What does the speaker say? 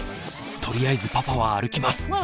とりあえずパパは歩きます。